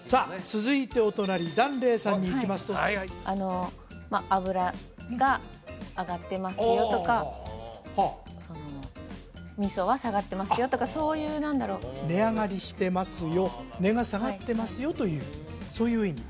続いてお隣檀れいさんにいきますとまあ油が上がってますよとか味噌は下がってますよとかそういう何だろう値上がりしてますよ値が下がってますよというそういう意味？